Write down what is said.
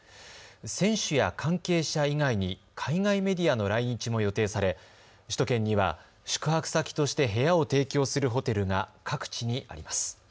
選手や関係者以外に海外メディアの来日も予定され首都圏には宿泊先として部屋を提供するホテルが各地にあります。